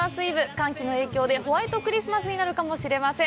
寒気の影響で、ホワイトクリスマスになるかもしれません。